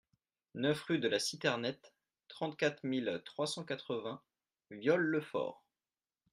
neuf rue de la Citernette, trente-quatre mille trois cent quatre-vingts Viols-le-Fort